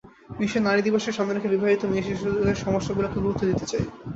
বিশ্ব নারী দিবসকে সামনে রেখে বিবাহিত মেয়েশিশুদের সমস্যাগুলোকে গুরুত্ব দিতে চাই।